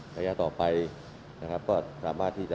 ระยะต่อไปนะครับก็สามารถที่จะ